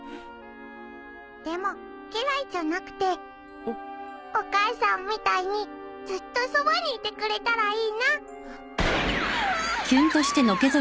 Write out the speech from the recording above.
でも家来じゃなくてお母さんみたいにずっとそばにいてくれたらいいな！はあん！